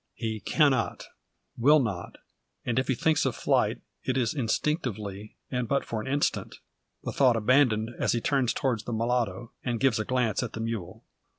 He cannot, will not; and if he thinks of flight, it is instinctively, and but for an instant; the thought abandoned as he turns towards the mulatto, and gives a glance at the mule.